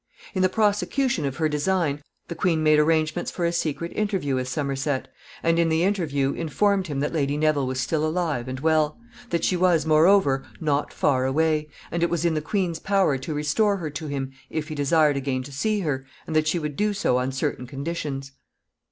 ] In the prosecution of her design, the queen made arrangements for a secret interview with Somerset, and in the interview informed him that Lady Neville was still alive and well; that she was, moreover, not far away, and it was in the queen's power to restore her to him if he desired again to see her, and that she would do so on certain conditions.